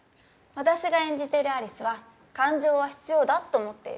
私が演じてるアリスは感情は必要だって思っている。